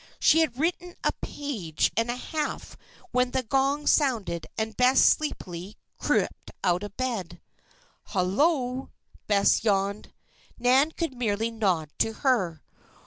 She had written a page and a half when the gong sounded and Bess sleepily crept out of bed. "Hul lo!" Bess yawned. Nan could merely nod to her.